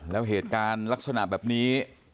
แล้วเหตุการณ์ลักษณะแบบนี้